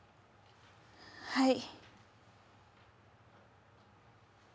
はい。